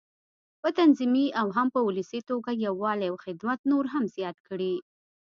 په تنظيمي او هم په ولسي توګه یووالی او خدمت نور هم زیات کړي.